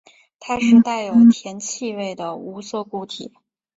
它是带有甜气味的无色固体。